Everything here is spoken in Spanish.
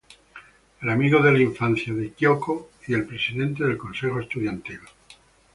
El amigo de la infancia de Kyōko y el presidente del Consejo Estudiantil.